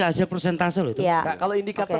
hasil prosentase loh itu kalau indikator